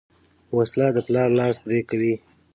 وسله د پلار لاس پرې کوي